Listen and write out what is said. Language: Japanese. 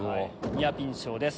ニアピン賞です。